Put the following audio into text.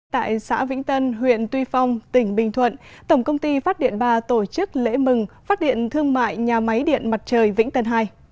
tại xã vĩnh tân huyện tuy phong tỉnh bình thuận tổng công ty phát điện ba tổ chức lễ mừng phát điện thương mại nhà máy điện mặt trời vĩnh tân hai